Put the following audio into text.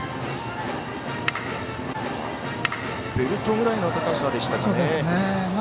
ベルトぐらいの高さでしたかね。